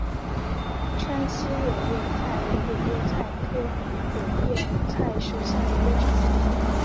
川西柳叶菜为柳叶菜科柳叶菜属下的一个种。